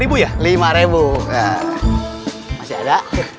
iya iya sebentar ya